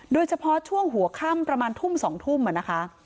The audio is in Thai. โดยเฉพาะช่วงหัวค่ำประมาณทุ่ม๒ทุ่มนะคะ